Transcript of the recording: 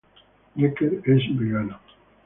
Dekker es vegano.